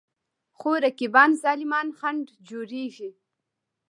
خو رقیبان ظالمان خنډ جوړېږي.